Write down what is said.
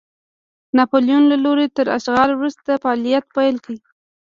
ناپلیون له لوري تر اشغال وروسته فعالیت پیل کړ.